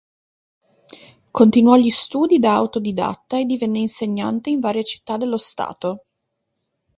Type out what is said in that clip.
Continuò gli studi da autodidatta e divenne insegnante in varie città dello Stato.